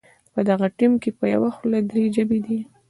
په دغه ټیم کې په یوه خوله درې ژبې دي.